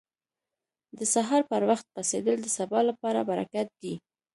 • د سهار پر وخت پاڅېدل د سبا لپاره برکت دی.